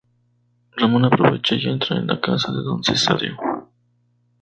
Ramón aprovecha y entra en la casa de Don Cesáreo.